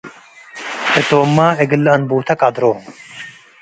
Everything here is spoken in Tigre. ህቶምመ እግል ለእንቡተ ቀድሮ ።